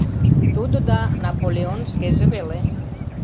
Тудо да Наполеон шкеже веле.